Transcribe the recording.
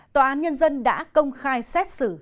tòa án nhân dân đã công khai xét xử